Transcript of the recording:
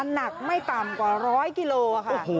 หนักไม่ต่ำกว่า๑๐๐กิโลค่ะ